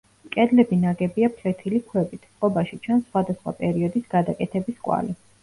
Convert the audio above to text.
კედლები ნაგებია ფლეთილი ქვებით, წყობაში ჩანს სხვადასხვა პერიოდის გადაკეთების კვალი.